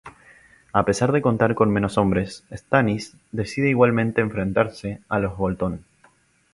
A pesar de contar con menos hombres, Stannis decide igualmente enfrentarse a los Bolton.